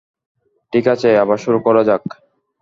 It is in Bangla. ঠিক আছে, আবার শুরু করা যাক।